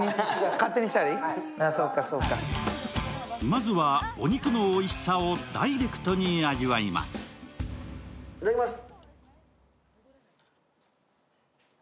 まずは、お肉のおいしさをダイレクトに味わいます。